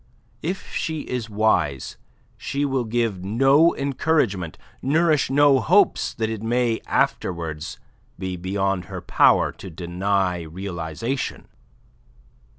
If she is wise she will give no encouragement, nourish no hopes that it may afterwards be beyond her power to deny realization."